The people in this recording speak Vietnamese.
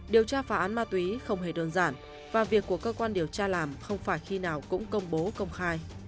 điều tra phá án ma túy không hề đơn giản và việc của cơ quan điều tra làm không phải khi nào cũng công bố công khai